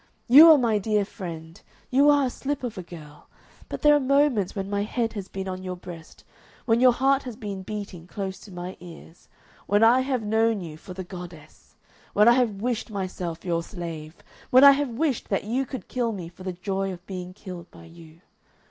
You are my dear friend, you are a slip of a girl, but there are moments when my head has been on your breast, when your heart has been beating close to my ears, when I have known you for the goddess, when I have wished myself your slave, when I have wished that you could kill me for the joy of being killed by you.